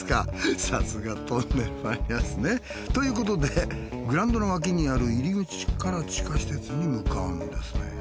さすがトンネルマニアですね。ということでグラウンドの脇にある入り口から地下施設に向かうんですね。